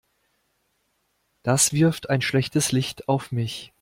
Das wirft ein schlechtes Licht auf mich.